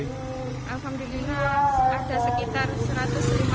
alhamdulillah ada sekitar satu ratus lima puluh lebih yang ingin vaksin